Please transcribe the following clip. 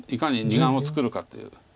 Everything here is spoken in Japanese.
眼を作るかという。